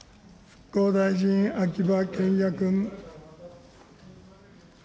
復興大臣、秋葉賢也君。